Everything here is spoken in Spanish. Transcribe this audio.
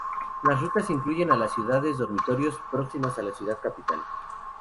Las rutas incluyen a las ciudades dormitorios próximas a la ciudad capital.